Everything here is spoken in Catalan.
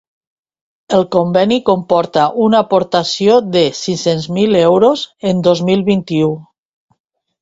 El conveni comporta una aportació de sis-cents mil euros en dos mil vint-i-u.